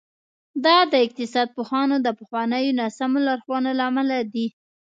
دا د اقتصاد پوهانو د پخوانیو ناسمو لارښوونو له امله دي.